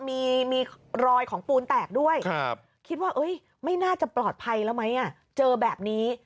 มีรอยของปูนแตกด้วยครับ